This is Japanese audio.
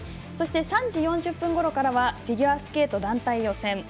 そして、３時４０分ごろからはフィギュアスケート団体予選。